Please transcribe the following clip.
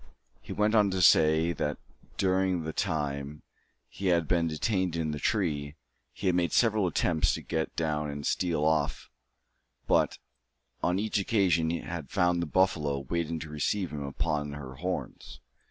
He went on to say, that, during the time he had been detained in the tree, he had made several attempts to get down and steal off, but on each occasion had found the buffalo waiting to receive him upon her horns.